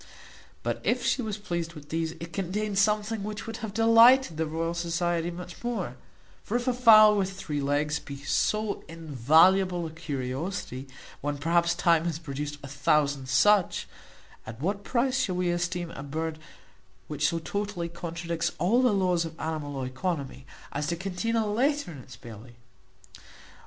But, if she was pleased with these, it contained something which would have delighted the Royal Society much more; for if a fowl with three legs be so invaluable a curiosity, when perhaps time hath produced a thousand such, at what price shall we esteem a bird which so totally contradicts all the laws of animal oeconomy, as to contain a letter in its belly?